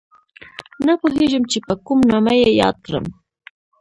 نه پوهېږم چې په کوم نامه یې یاد کړم